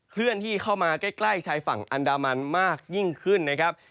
เคลื่อนที่เข้ามาใกล้ชายฝั่งอันดามันมากยิ่งขึ้นนะครับ